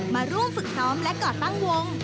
มาร่วมฝึกซ้อมและก่อตั้งวง